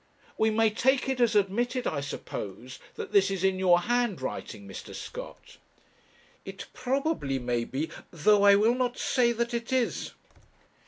We may take it as admitted, I suppose, that this is in your handwriting, Mr. Scott?' 'It probably may be, though I will not say that it is.'